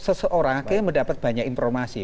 seseorang akhirnya mendapat banyak informasi